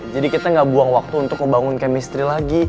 jadi kita gak buang waktu untuk ngebangun chemistry lagi